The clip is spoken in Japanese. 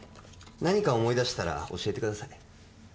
何か思い出したら教えてください